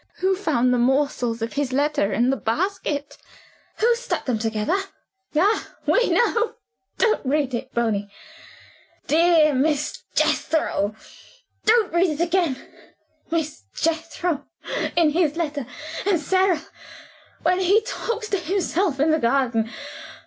Who found the morsels of his letter in the basket? Who stuck them together? Ah, we know! Don't read it, Bony. 'Dear Miss Jethro' don't read it again. 'Miss Jethro' in his letter; and 'Sara,' when he talks to himself in the garden.